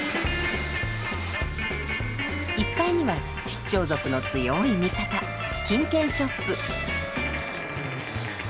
１階には出張族の強い味方金券ショップ。